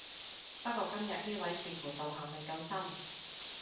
不過今日呢位似乎道行未夠深